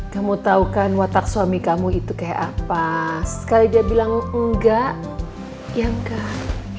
kamu tahu kan watak suami kamu itu kayak apa sekali dia bilang enggak yang kah